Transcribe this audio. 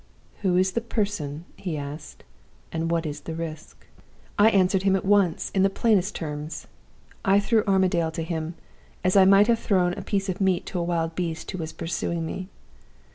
"'Who is the person?' he asked. 'And what is the risk?' "I answered him at once, in the plainest terms. I threw Armadale to him, as I might have thrown a piece of meat to a wild beast who was pursuing me.